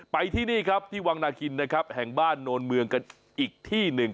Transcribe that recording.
ไปที่นี่ครับที่วังนาคินนะครับแห่งบ้านโนนเมืองกันอีกที่หนึ่ง